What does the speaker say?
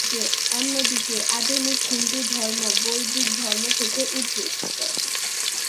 অন্যদিকে আধুনিক হিন্দুধর্ম বৈদিক ধর্ম থেকে উদ্ভূত।